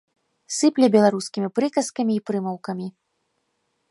Сыпле беларускімі прыказкамі й прымаўкамі.